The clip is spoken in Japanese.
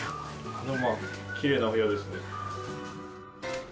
きれいなお部屋ですね。